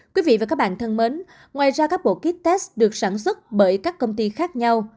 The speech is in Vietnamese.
quý vị và các bạn thân mến ngoài ra các bộ kit test được sản xuất bởi các công ty khác nhau